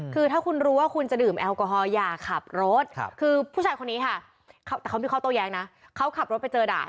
คือถ้าคุณรู้ว่าคุณจะดื่มแอลกอฮอลอย่าขับรถคือผู้ชายคนนี้ค่ะแต่เขามีข้อโต้แย้งนะเขาขับรถไปเจอด่าน